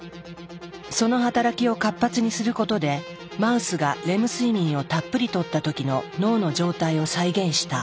その働きを活発にすることでマウスがレム睡眠をたっぷり取った時の脳の状態を再現した。